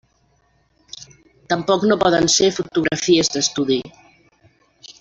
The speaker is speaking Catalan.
Tampoc no poden ser fotografies d'estudi.